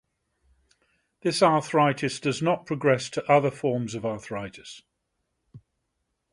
This arthritis does not progress to other forms of arthritis.